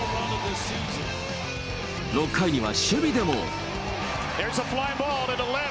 ６回には守備でも。